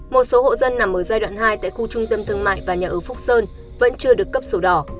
một số hộ dân nằm ở giai đoạn hai tại khu trung tâm thương mại và nhà ở phúc sơn vẫn chưa được cấp sổ đỏ